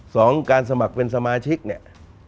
สองการสมัครเป็นสมาชิกเนี่ย